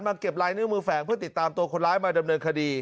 เก็บลายนิ้วมือแฝงเพื่อติดตามตัวคนร้ายมาดำเนินคดี